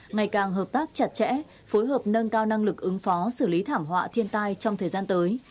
ngày càng hợp tác chặt chẽ phối hợp nâng cao năng lực ứng phó xử lý thảm họa thiên tai trong thời gian tới